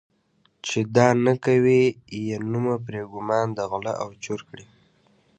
چې دا نه کوي یې نومه پرې ګومان د غله او چور کړي.